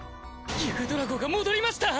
ユグドラゴが戻りました！